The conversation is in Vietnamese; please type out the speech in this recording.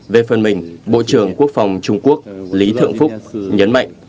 về phần mình bộ trưởng quốc phòng trung quốc lý thượng phúc nhấn mạnh